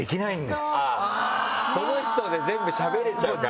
その人で全部しゃべれちゃうから。